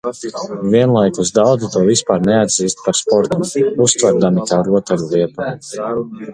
Vienlaikus daudzi to vispār neatzīst par sportu, uztverdami kā rotaļlietu.